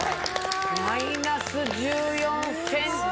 ・マイナス１４ｃｍ！